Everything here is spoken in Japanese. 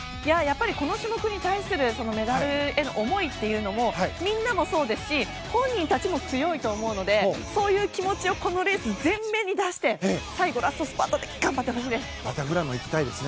この種目に対するメダルへの思いはみんなもそうですし本人たちも強いと思うのでそういう気持ちをこのレースに全面で出して最後、ラストスパートで頑張ってほしいです。